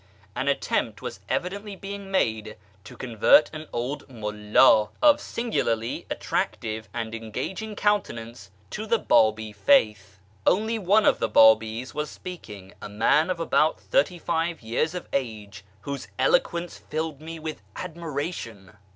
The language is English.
An attempt was evidently being made to convert an old mulld, of singularly attractive and engaging countenance, to the Babi faith. Only one of the Babis was speaking, a man of about thirty five years of age, whose eloquence filled me with admiration.